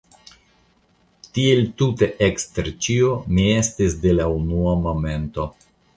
Tiel tute ekster ĉio mi estis de la unua momento.